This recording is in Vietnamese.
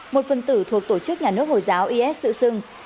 một phần tử thuộc tổ chức nhà nước hồi giáo is tự xưng